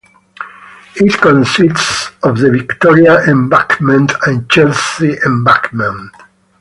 It consists of the Victoria Embankment and Chelsea Embankment.